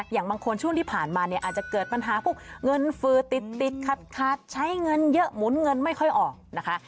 อย่างบางคนช่วงที่ผ่านมาเนี่ยอาจจะเกิดปัญหาพวกเงินฟืติดขัดใช้เงินเยอะหมุนเงินไม่ค่อยออกนะคะ